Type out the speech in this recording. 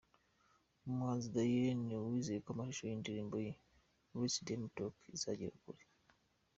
Umuhanzi Diyen wizeye ko amashusho y'indirimbo ye Let them talk izagera kure .